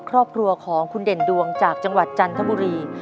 ครอบครัวของคุณเด่นดวงจากจังหวัดจันทบุรี